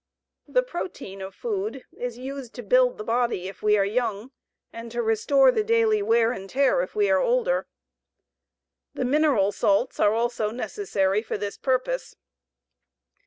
The protein of food is used to build the body if we are young, and to restore the daily wear and tear if we are older. The mineral salts are also necessary for this purpose.